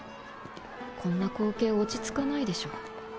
こんな光景落ち着かないでしょ。